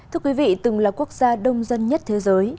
thưa quý vị từng là quốc gia đông dân nhất thế giới